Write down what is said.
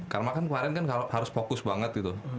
karena kan kemarin kan harus fokus banget gitu